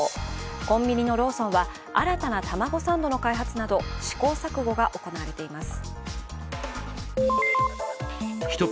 コンビニのローソンは新たな卵サンドの開発など試行錯誤が行われています。